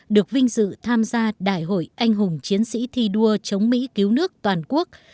được vinh dự tham gia đại hội anh hùng chiến sĩ thi đua chống mỹ cứu nước toàn quốc